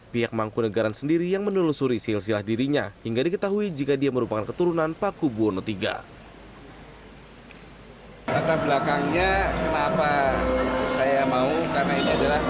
pihak mangkunagaran sendiri yang menelusuri silsilah dirinya hingga diketahui jika dia merupakan keturunan paku buwono iii